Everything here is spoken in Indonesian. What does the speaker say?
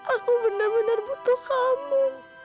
aku benar benar butuh kamu